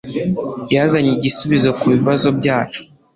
Yazanye igisubizo kubibazo byacu